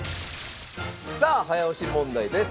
さあ早押し問題です。